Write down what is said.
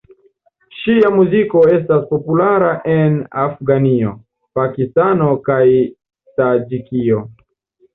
Ŝia muziko estas populara en Afganio, Pakistano kaj Taĝikio.